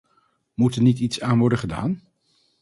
Moet er niet iets aan worden gedaan?